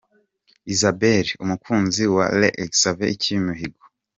Isabelle umukunzi wa Rev Xavier Uciyimihigo.